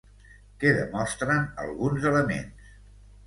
Què demostren alguns elements?